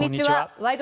「ワイド！